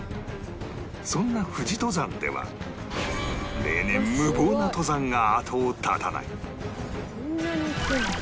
そんな富士登山では例年無謀な登山が後を絶たない